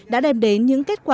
đã đem đến những kết quả